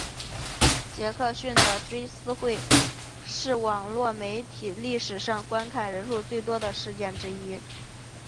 杰克逊的追思会是网路媒体历史上观看人数最多的事件之一。